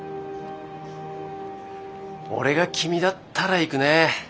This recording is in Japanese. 俺が君だったら行くね。